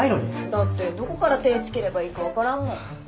だってどこから手つければいいか分からんもん。